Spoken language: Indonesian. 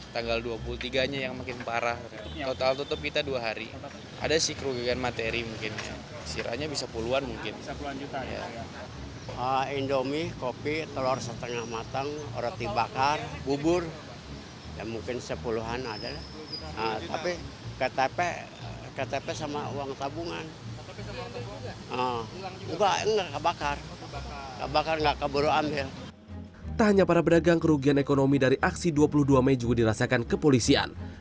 tak hanya para pedagang kerugian ekonomi dari aksi dua puluh dua mei juga dirasakan kepolisian